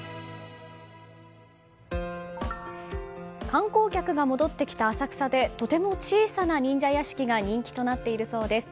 観光客が戻ってきた浅草でとても小さな忍者屋敷が人気となっているそうです。